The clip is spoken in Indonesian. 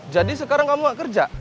jadi sekarang kamu gak kerja